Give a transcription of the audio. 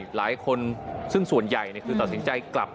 หลายคนซึ่งส่วนใหญ่คือตัดสินใจกลับ